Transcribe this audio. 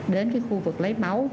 đến cái khu vực lấy máu